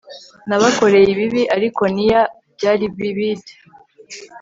Nabakoreye ibibi ariko neer byari bibid